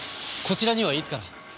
こちらにはいつから？